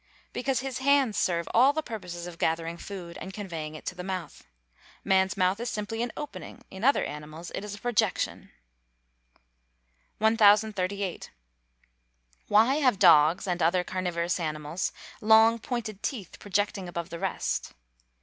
_ Because his hands serve all the purposes of gathering food, and conveying it to the mouth. Man's mouth is simply an opening; in other animals it is a projection. 1038. _Why have dogs, and other carnivorous animals, long pointed teeth, projecting above the rest?